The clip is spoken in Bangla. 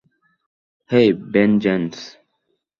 হেই, ভেনজেন্স!